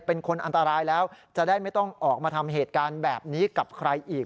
เป็นคนอันตรายแล้วจะได้ไม่ต้องออกมาทำเหตุการณ์แบบนี้กับใครอีก